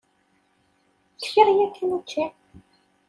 Kfiɣ yakan učči.